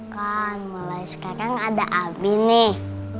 kan mulai sekarang ada abi nih